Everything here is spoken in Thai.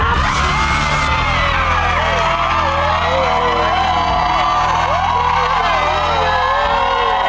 ถูกครับ